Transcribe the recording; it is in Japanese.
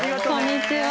こんにちは。